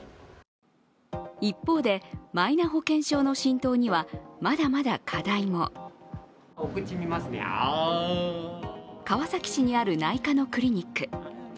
一方で、マイナ保険証の浸透にはまだまだ課題も川崎市にある内科のクリニック。